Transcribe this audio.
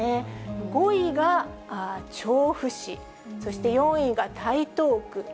５位が調布市、そして４位が台東区。